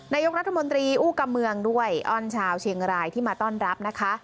นายกรัฐมนตรีอู้กระเมืองด้วยอ้อนชาวเชียงรายที่มาต้อนรับนะคะ